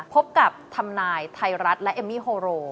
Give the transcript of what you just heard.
พบกับทำนายไทยรัฐและเอมมี่โฮโร